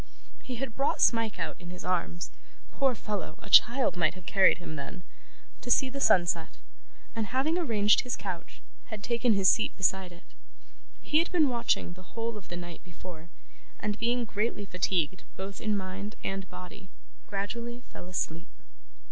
He had brought Smike out in his arms poor fellow! a child might have carried him then to see the sunset, and, having arranged his couch, had taken his seat beside it. He had been watching the whole of the night before, and being greatly fatigued both in mind and body, gradually fell asleep.